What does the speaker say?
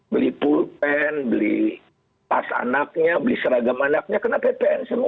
beli pulpen beli pas anaknya beli seragam anaknya kena ppn semua